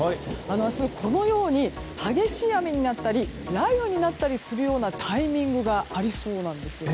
明日、このように激しい雨になったり雷雨になったりするようなタイミングがありそうなんです。